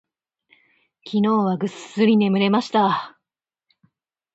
昨日はぐっすり眠れました。